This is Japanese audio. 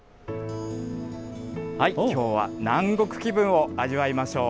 きょうは南国気分を味わいましょう。